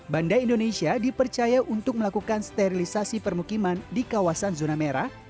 banda indonesia dipercaya untuk melakukan sterilisasi permukiman di kawasan zona merah